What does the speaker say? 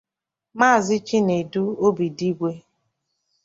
Maazị Chinedu Obidigwe